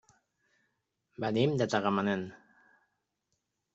Venim de Tagamanent.